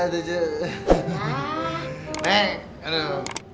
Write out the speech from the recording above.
beda itu cek